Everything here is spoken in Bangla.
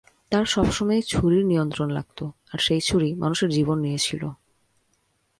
তার সবসময়ই ছুরির নিয়ন্ত্রণ লাগত, আর সেই ছুরি মানুষের জীবন নিয়েছিল।